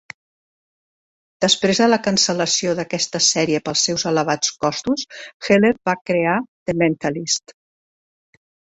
Després de la cancel·lació d'aquesta sèrie pels seus elevats costos, Heller va crear "The Mentalist".